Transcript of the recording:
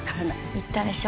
言ったでしょ。